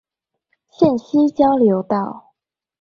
線西交流道